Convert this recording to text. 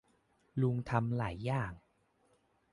ลุงทำหลายอย่าง